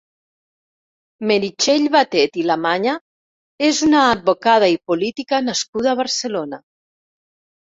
Meritxell Batet i Lamaña és una advocada i política nascuda a Barcelona.